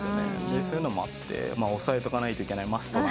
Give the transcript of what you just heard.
そういうのもあって押さえとかないといけないマストな。